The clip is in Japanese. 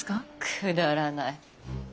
くだらない。